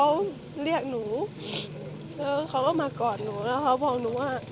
มีสัก๑คน